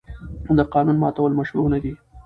د قانون ماتول مشروع نه دي.